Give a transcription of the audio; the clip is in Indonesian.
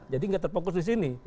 jadi nggak terfokus di sini